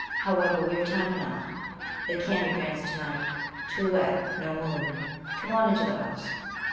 However, we've time enough. They can't advance to night. Too wet. No moon. Come on into the house."